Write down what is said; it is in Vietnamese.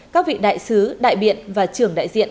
các vị đại sứ đại biện và trưởng đại diện